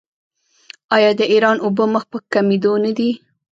آیا د ایران اوبه مخ په کمیدو نه دي؟